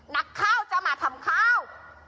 นักข้าวจะมาทำข้าว